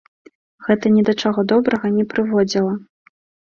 Гэта ні да чаго добрага не прыводзіла.